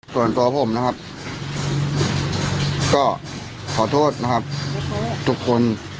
ส่วนตัวผมนะครับก็ขอโทษนะครับทุกคน